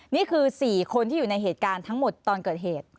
นี่คือ๔คนที่อยู่ในเหตุการณ์ทั้งหมดตอนเกิดเหตุ